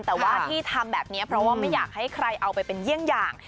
แต่ว่าที่ทำแบบนี้เพราะว่าไม่อยากให้ใครเอาไปเป็นเยี่ยงอย่าง